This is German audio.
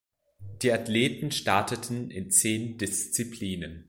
Die Athleten starteten in zehn Disziplinen.